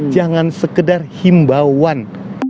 jangan sekedar himbauan